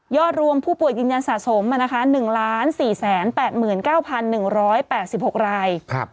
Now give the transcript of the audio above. ยอดรวมผู้ป่วยกิจจันทร์สะสมมานะคะ๑๔๘๙๑๘๖ราย